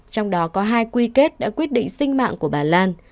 trong đó có hai quy kết đã quyết định sinh mạng của bà lan